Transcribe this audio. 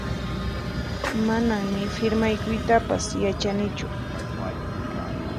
Manan ni firmaykuytapas yachanichu